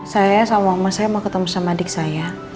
saya sama mama saya mau ketemu sama adik saya